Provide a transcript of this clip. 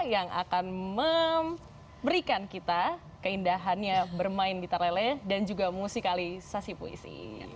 yang akan memberikan kita keindahannya bermain gitar lele dan juga musikalisasi puisi